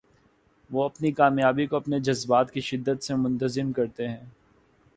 وہ اپنی کامیابی کو اپنے جذبات کی شدت سے منتظم کرتے ہیں۔